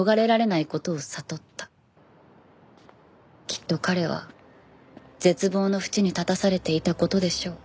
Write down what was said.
きっと彼は絶望の淵に立たされていた事でしょう。